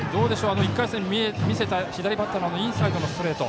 １回戦に見せた左バッターのインサイドのストレート。